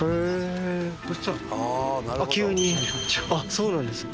そうなんですね。